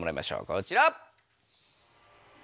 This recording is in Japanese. こちら！